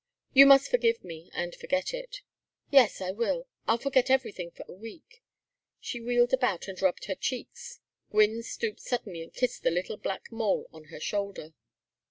You must forgive me and forget it." "Yes I will! I'll forget everything for a week." She wheeled about and rubbed her cheeks. Gwynne stooped suddenly and kissed the little black mole on her shoulder.